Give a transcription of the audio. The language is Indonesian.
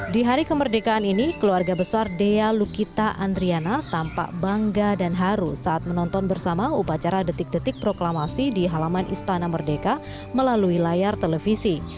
di hari kemerdekaan ini keluarga besar dea lukita andriana tampak bangga dan haru saat menonton bersama upacara detik detik proklamasi di halaman istana merdeka melalui layar televisi